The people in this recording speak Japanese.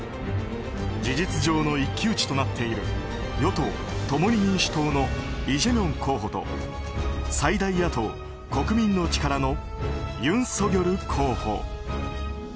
事実上の一騎打ちとなっている与党・共に民主党のイ・ジェミョン候補と最大野党・国民の力のユン・ソギョル候補。